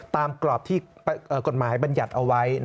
กรอบที่กฎหมายบรรยัติเอาไว้